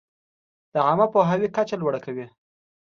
د عامه پوهاوي کچه لوړه کوي.